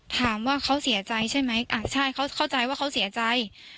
ถามว่าเขาเสียใจใช่ไหมอ่ะใช่เขาเข้าใจว่าเขาเสียใจ